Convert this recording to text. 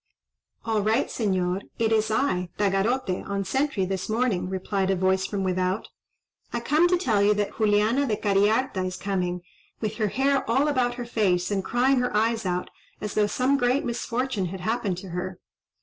"All right Señor! it is I, Tagarote, on sentry this morning," replied a voice from without. "I come to tell you that Juliana de Cariharta is coming, with her hair all about her face, and crying her eyes out, as though some great misfortune had happened to her."